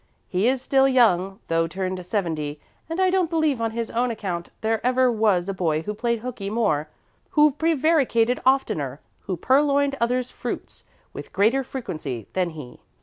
He is still young, though turned seventy, and I don't believe on his own account there ever was a boy who played hookey more, who prevaricated oftener, who purloined others' fruits with greater frequency than he.